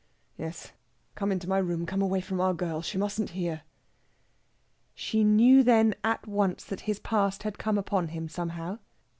"Yes come into my room. Come away from our girl. She mustn't hear." She knew then at once that his past had come upon him somehow.